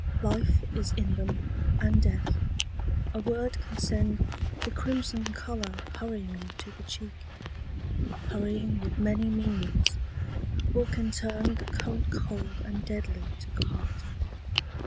Life is in them, and death. A word can send The crimson colour hurrying to the cheek. Hurrying with many meanings; or can turn The current cold and deadly to the heart.